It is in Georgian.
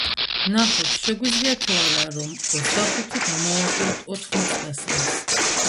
ვნახოთ, შეგვიძლია თუ არა, რომ ოცდახუთი გამოვაკლოთ ოთხმოცდასამს.